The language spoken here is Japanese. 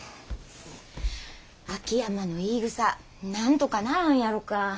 秋山の言いぐさなんとかならんやろか。